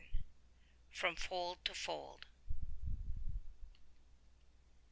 129 FROM FOLD TO FOLD.